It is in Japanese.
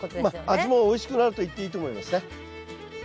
味もおいしくなるといっていいと思いますね。